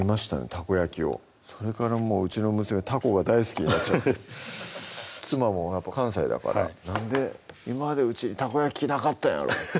たこ焼きをそれからもううちの娘たこが大好きになっちゃって妻も関西だから「なんで今までうちにたこ焼き器なかったんやろ」